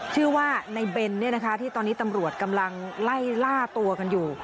ชื่อว่าในเบนที่ตอนนี้ตำรวจกำลังไล่ล่าตัวกันอยู่